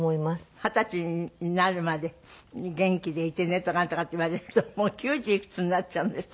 二十歳になるまで元気でいてねとかなんとかって言われるともう９０いくつになっちゃうんですって？